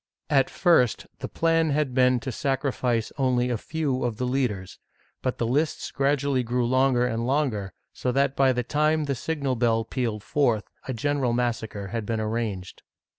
At first the plan had been to sacrifice only a few of the leaders, but the lists gradually grew longer and longer, so that by the time the signal bell pealed forth, a general mas sacre had been arranged.